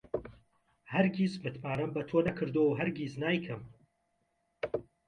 هەرگیز متمانەم بە تۆ نەکردووە و هەرگیز نایکەم.